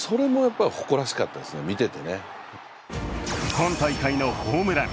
今大会のホームラン